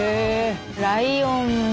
ライオンも。